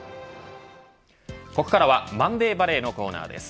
ここからはマンデーバレーのコーナーです。